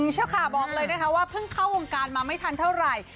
เจ้าขาบอกเลยนะคะว่าเพิ่งเข้าวงการมาไม่ทันเท่าไหร่